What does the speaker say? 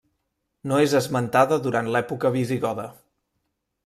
No és esmentada durant l'època visigoda.